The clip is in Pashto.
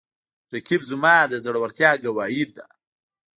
رقیب زما د زړورتیا ګواهي ده